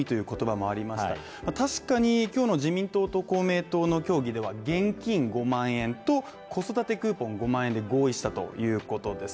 確かに今日の自民党と公明党の協議では現金５万円と、子育てクーポン５万円で合意したということです。